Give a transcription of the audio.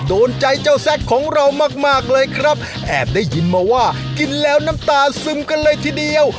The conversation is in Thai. โดนใจเจ้าแซคของเรามากมากเลยครับแอบได้ยินมาว่ากินแล้วน้ำตาซึมกันเลยทีเดียว